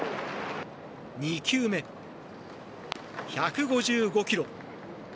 ２球目、１５５キロ。